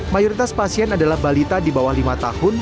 mayoritas pasien adalah balita di bawah lima tahun